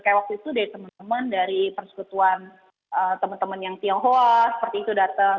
kayak waktu itu dari teman teman dari persekutuan teman teman yang tionghoa seperti itu datang